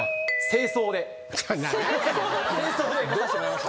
正装で出させてもらいました。